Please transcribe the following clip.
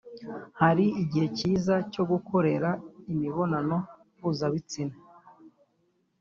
hari igihe cyiza cyo gukorera imibonano mpuzabitsina.